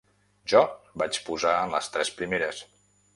Jo vaig posar en les tres primeres...